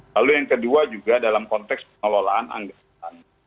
lalu yang kedua juga dalam konteks pengelolaan anggaran